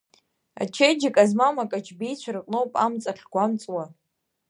Ачеиџьыка змам, акаҷбеицәа рыҟноуп амҵ ахьгәамҵуа.